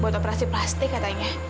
buat operasi plastik katanya